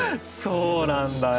そうなんだよ。